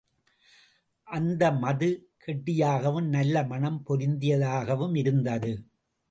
அந்த மது கெட்டியாகவும் நல்ல மணம் பொருந்தியதாகவும் இருந்தது.